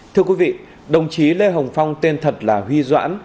thưa quý vị đồng chí lê hồng phong tên thật là huy doãn